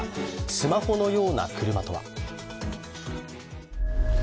スマホのような車とは。